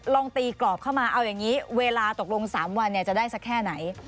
ลองตีกรอบเข้ามาเอาอย่างนี้เวลาตกลง๓วันจะได้สักแค่ไหน